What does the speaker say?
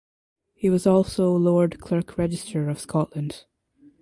He was also Lord Clerk Register of Scotland.